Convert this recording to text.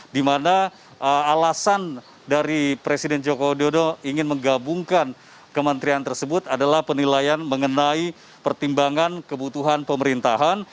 dimana alasan dari presiden joko widodo ingin menggabungkan kementerian tersebut adalah penilaian mengenai pertimbangan kebutuhan pemerintahan